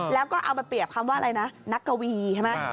แล้วก็เอาไปเปรียบคำว่าอะไรนะนักกวีใช่ไหม